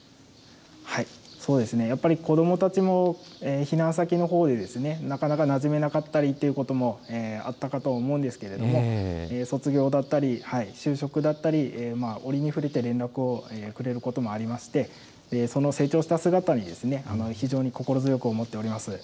そうですね、やっぱり子どもたちも、避難先のほうで、なかなかなじめなかったりということもあったかと思うんですけれども、卒業だったり、就職だったり、折に触れて連絡をくれることもありまして、その成長した姿に非常に心強く思っております。